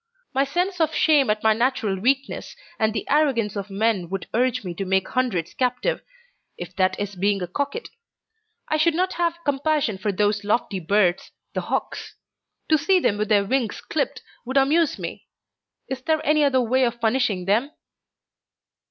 My sense of shame at my natural weakness and the arrogance of men would urge me to make hundreds captive, if that is being a coquette. I should not have compassion for those lofty birds, the hawks. To see them with their wings clipped would amuse me. Is there any other way of punishing them?"